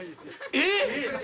えっ